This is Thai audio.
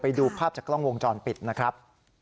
ไปดูภาพจากกล้องวงจรปิดนะครับ